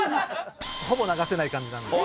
ほぼ流せない感じなんで。